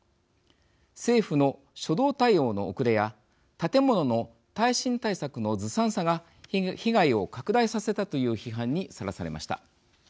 政府の初動対応の遅れや建物の耐震対策のずさんさが被害を拡大させたという批判にさらされました。